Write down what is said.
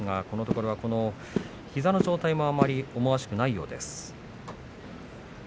このところ膝の状態もあまり思わしくないようです。